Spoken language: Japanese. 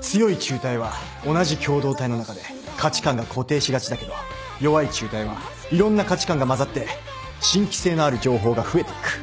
強い紐帯は同じ共同体の中で価値観が固定しがちだけど弱い紐帯はいろんな価値観が混ざって新規性のある情報が増えていく。